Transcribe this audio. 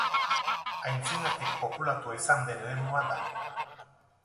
Aintzinatik populatua izan den eremua da.